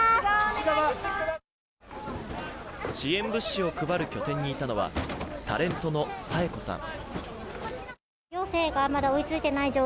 支援物資を配る拠点にいたのはタレントの紗栄子さん。